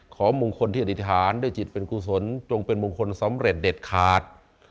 ของมงคลที่อธิษฐานด้วยจิตเป็นกุศลจงเป็นมงคลสำเร็จเด็ดขาด